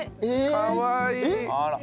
かわいい。